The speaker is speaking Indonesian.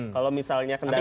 kalau misalnya kendaraan